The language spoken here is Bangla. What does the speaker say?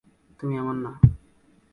তুমি এমন না!